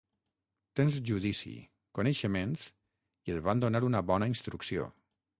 Tens judici, coneixements i et van donar bona instrucció